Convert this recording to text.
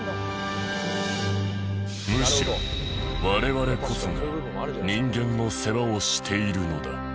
むしろ我々こそが人間の世話をしているのだ。